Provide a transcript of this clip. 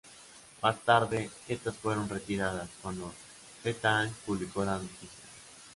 Más tarde, estas fueron retiradas, cuando "The Times" publicó la noticia.